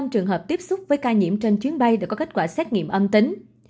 năm trường hợp tiếp xúc với ca nhiễm trên chuyến bay đã có kết quả xét nghiệm âm tính